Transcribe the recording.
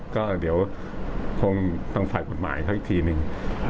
ก็เดี๋ยวคงฟังฝ่ายกฎหมายเขาอีกทีหนึ่ง